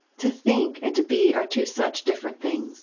To think and to be are two such different things!"